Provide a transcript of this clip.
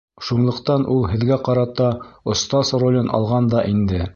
Шунлыҡтан ул һеҙгә ҡарата остаз ролен алған да инде.